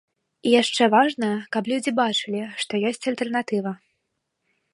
І яшчэ важна, каб людзі бачылі, што ёсць альтэрнатыва.